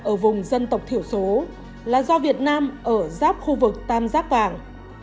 ở vùng dân tộc thiểu số là do việt nam ở giáp khu vực tam giác vàng